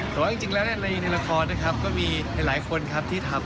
แต่ว่าจริงแล้วในละครนะครับก็มีหลายคนครับที่ทำ